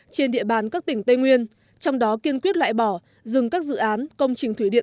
trên địa bàn các tỉnh tây nguyên trong đó kiên quyết loại bỏ dừng các dự án công trình thủy điện